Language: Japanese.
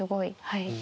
はい。